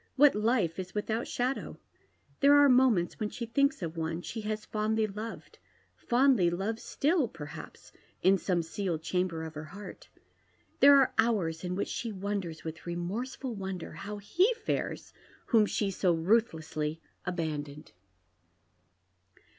What life is without shadow ? There are moments when she thinks of one she has fondly loved — fondly loves still, perhaps, in some sealed chamber of her heart. There are hours in which she wonders, "vith re morseful wonder, how he fares whom she so ruthlessly abandoned.